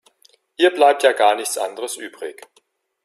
Ihr bleibt ja gar nichts anderes übrig.